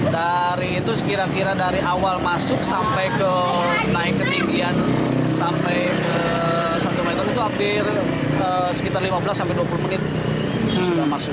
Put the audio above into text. dari itu sekira kira dari awal masuk sampai ke naik ketinggian sampai satu meter itu hampir sekitar lima belas sampai dua puluh menit sudah masuk